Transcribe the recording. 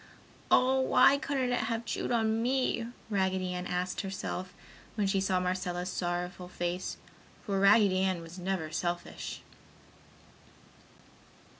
"Oh, why couldn't it have chewed on me?" Raggedy Ann asked herself when she saw Marcella's sorrowful face, for Raggedy Ann was never selfish.